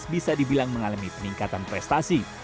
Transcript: bisa dibilang mengalami peningkatan prestasi